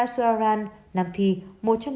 sudararan nam phi một trong